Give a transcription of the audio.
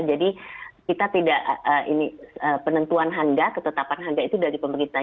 jadi kita tidak penentuan hangga ketetapan hangga itu dari pemerintah